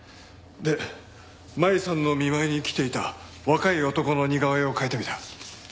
で舞さんの見舞いに来ていた若い男の似顔絵を描いてみた。